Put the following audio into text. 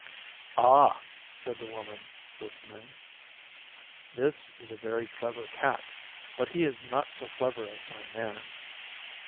'Ah,' said the Woman, listening, 'this is a very clever Cat, but he is not so clever as my Man.